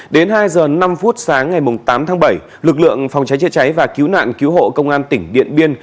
đến hai h năm sáng ngày tám tháng bảy lực lượng phòng cháy chữa cháy và cứu nạn cứu hộ công an tỉnh điện biên